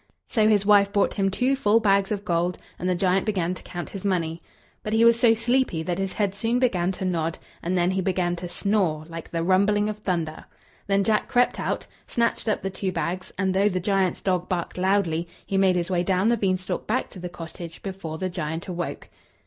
So his wife brought him two full bags of gold, and the giant began to count his money. But he was so sleepy that his head soon began to nod, and then he began to snore, like the rumbling of thunder. Then Jack crept out, snatched up the two bags, and though the giant's dog barked loudly, he made his way down the beanstalk back to the cottage before the giant awoke.